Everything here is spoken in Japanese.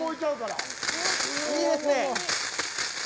いいですね！